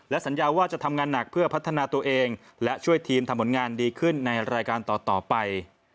สัญญาว่าจะทำงานหนักเพื่อพัฒนาตัวเองและช่วยทีมทำผลงานดีขึ้นในรายการต่อไป